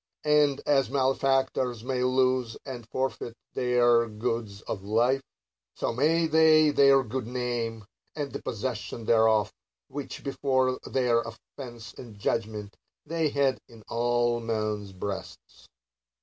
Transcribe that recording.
And, as malefactors may lose and forfeit their goods or life ; so may they their good name, and the possession thereof, which, before their offence and judgment, they had in all men's breasts.